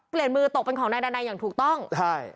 เปลี่ยนมือตกเป็นของนายดานัยอย่างถูกต้องใช่